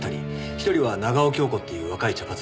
１人は長尾恭子っていう若い茶髪の女の子。